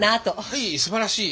はいすばらしい。